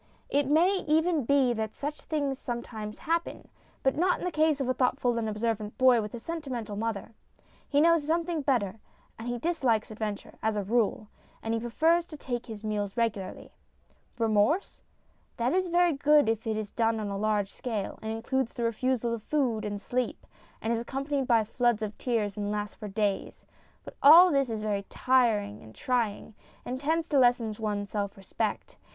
It may even be that such things some times happen. But not in the case of a thoughtful and observant boy with a sentimental mother. He knows something better, and he dislikes adventure, as a rule, and he prefers to take his meals regularly. Remorse ? That is very good if it is done on a large scale, and includes the refusal of food and sleep, and is accompanied by floods of tears, and lasts for days. But all this is very trying, and tends to lessen one's self respect.